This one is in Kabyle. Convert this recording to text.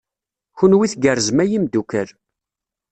Kenwi tgerrzem a imeddukal.